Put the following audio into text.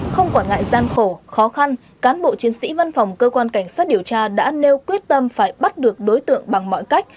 không quản ngại gian khổ khó khăn cán bộ chiến sĩ văn phòng cơ quan cảnh sát điều tra đã nêu quyết tâm phải bắt được đối tượng bằng mọi cách